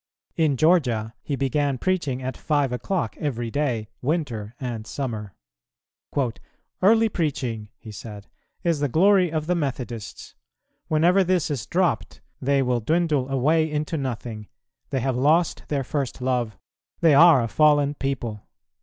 In Georgia, he began preaching at five o'clock every day, winter and summer. "Early preaching," he said, "is the glory of the Methodists; whenever this is dropt, they will dwindle away into nothing, they have lost their first love, they are a fallen people."